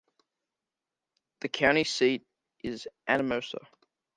The county seat is Anamosa.